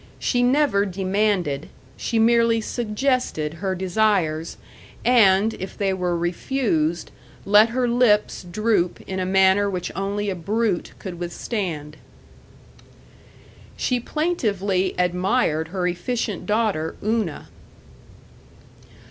She never demanded; she merely suggested her desires, and, if they were refused, let her lips droop in a manner which only a brute could withstand. She plaintively admired her efficient daughter Una.